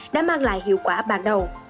đã mang lại hiệu quả bàn đầu